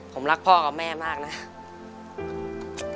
ผมรักพ่อกับแม่มากนะ